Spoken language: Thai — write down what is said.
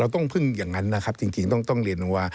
เราต้องเพื่อนังนะครับจริงพยายามต้องเรียนโนว่า